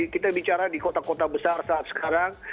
kita bicara di kota kota besar saat sekarang